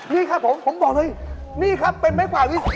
นี่ครับผมผมบอกเลยนี่ครับเป็นไม้ผ่าวิส